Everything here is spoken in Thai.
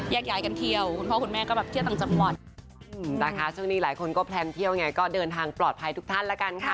บางทีแบบลงสนามบินแล้วนั่งรถไหนไปไหน